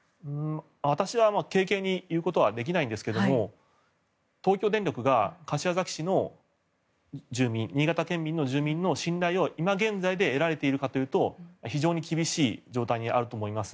私は軽々に言うことはできないんですが東京電力が柏崎市の住民新潟県民の信頼を今現在で得られているかというと非常に厳しい状態にあると思います。